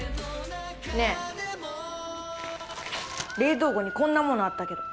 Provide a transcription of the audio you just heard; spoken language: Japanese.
ねえ冷凍庫にこんな物あったけど。